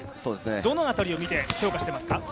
どの辺りを見て評価していますか。